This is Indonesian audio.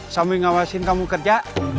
sambil mengawasi kamu kerja